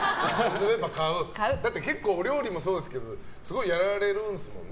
だって結構お料理もそうですけどすごいやられるんですもんね